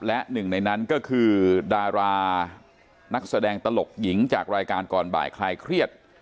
และหนึ่งในนั้นก็คือดารานักแสดงตลกหญิงจากรายการก่อนบ่ายคลายเครียด